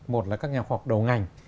một là các nhà khoa học đầu ngành